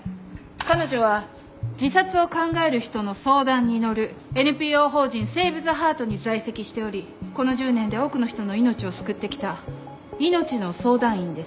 彼女は自殺を考える人の相談に乗るＮＰＯ法人セーブ・ザ・ハートに在籍しておりこの１０年で多くの人の命を救ってきたいのちの相談員です。